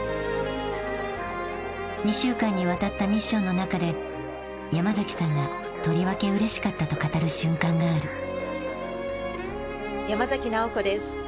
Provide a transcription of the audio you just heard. ２週間にわたったミッションの中で山崎さんがとりわけうれしかったと語る瞬間がある。